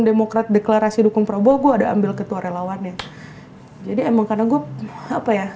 demokrat deklarasi dukung prabowo gue ada ambil ketua relawannya jadi emang karena gue apa ya